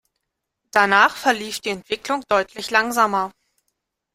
Danach verlief die Entwicklung deutlich langsamer.